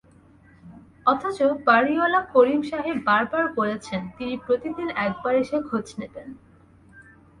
অথচ বাড়িওয়ালা করিম সাহেব বারবার বলেছেন, তিনি প্রতিদিন একবার এসে খোঁজ নেবেন।